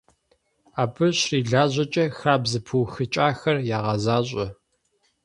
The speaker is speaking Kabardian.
Абы щрилажьэкӀэ, хабзэ пыухыкӀахэр ягъэзащӀэ.